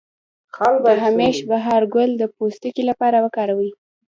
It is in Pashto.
د همیش بهار ګل د پوستکي لپاره وکاروئ